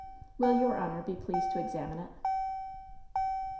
Will your honor be pleased to examine it